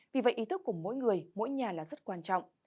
vì vậy ý thức của mỗi người mỗi nhà là rất quan trọng